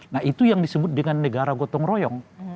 nah itu yang disebut dengan negara gotong royong